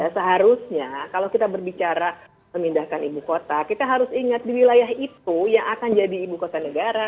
seharusnya kalau kita berbicara memindahkan ibu kota kita harus ingat di wilayah itu yang akan jadi ibu kota negara